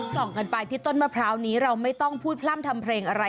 ส่องกันไปที่ต้นมะพร้าวนี้เราไม่ต้องพูดพร่ำทำเพลงอะไร